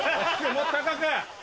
もっと高く！